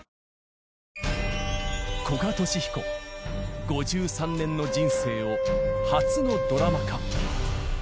古賀稔彦、５３年の人生を初のドラマ化。